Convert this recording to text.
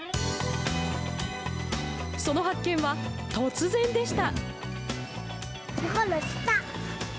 その発見は、突然でした。